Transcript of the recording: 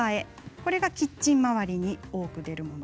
これはキッチン周りに多く出るもの。